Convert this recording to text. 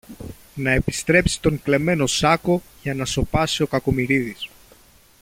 να επιστρέψει τον κλεμμένο σάκο, για να σωπάσει ο Κακομοιρίδης.